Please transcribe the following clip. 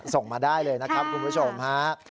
ส่งมาได้เลยนะครับคุณผู้ชมฮะ